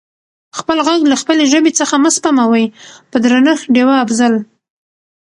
خپل غږ له خپلې ژبې څخه مه سپموٸ په درنښت ډیوه افضل🙏